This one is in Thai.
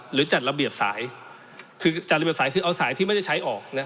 จัดระเบียบสายคือจัดระเบียบสายคือเอาสายที่ไม่ได้ใช้ออก